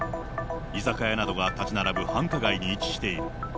居酒屋などが建ち並ぶ繁華街に位置している。